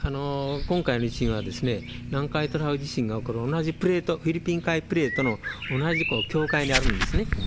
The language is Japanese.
今回の地震は、南海トラフ地震が起こる同じプレート、同じフィリピン海プレートの同じこの境界にあるんですね。